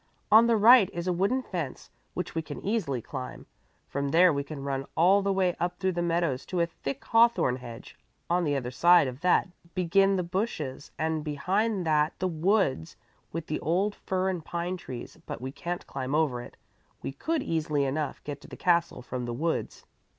On the right is a wooden fence which we can easily climb. From there we can run all the way up through the meadows to a thick hawthorn hedge; on the other side of that begin the bushes and behind that the woods with the old fir and pine trees, but we can't climb over it. We could easily enough get to the castle from the woods."